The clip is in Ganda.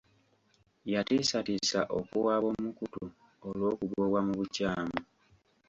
Yatiisatiisa okuwaaba omukutu olw'okugobwa mu bukyamu.